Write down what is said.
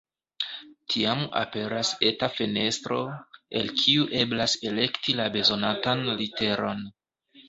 Tiam aperas eta fenestro, el kiu eblas elekti la bezonatan literon.